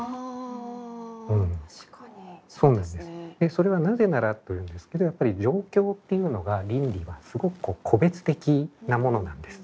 それはなぜならというんですけどやっぱり状況っていうのが倫理はすごく個別的なものなんです。